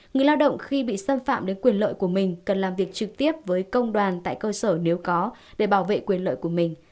người lao động khi bị xâm phạm đến quyền lợi của mình cần làm việc trực tiếp với công đoàn tại cơ sở nếu có để bảo vệ quyền lợi của mình